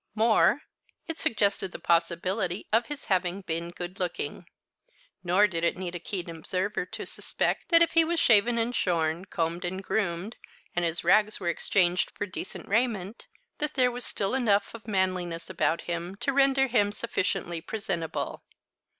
More, it suggested the probability of his having been good looking. Nor did it need a keen observer to suspect that if he was shaven and shorn, combed and groomed, and his rags were exchanged for decent raiment, that there was still enough of manliness about him to render him sufficiently presentable.